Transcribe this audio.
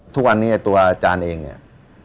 ทุกวันนี้ตัวอาจารย์เองเนี่ย